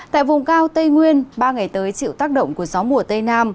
tại vùng cao tây nguyên ba ngày tới chịu tác động của gió mùa tây nam